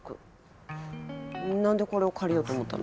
何でこれを借りようと思ったの？